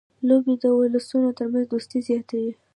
لوبې د اولسونو ترمنځ دوستي زیاتوي.